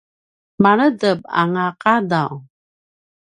maledep anga qadaw